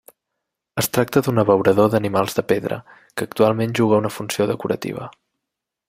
Es tracta d'un abeurador d'animals de pedra, que actualment juga una funció decorativa.